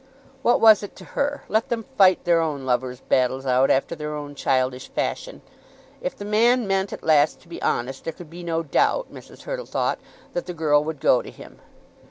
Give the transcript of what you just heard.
What was it to her? Let them fight their own lovers' battles out after their own childish fashion. If the man meant at last to be honest, there could be no doubt, Mrs. Hurtle thought, that the girl would go to him.